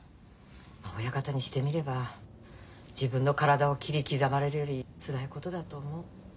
親方にしてみれば自分の体を切り刻まれるよりつらいことだと思う。